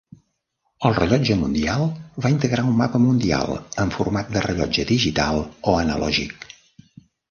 El rellotge mundial va integrar un mapa mundial, en format de rellotge digital o analògic.